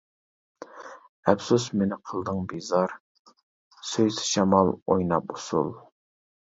ئەپسۇس مېنى قىلدىڭ بىزار، سۆيسە شامال ئويناپ ئۇسۇل.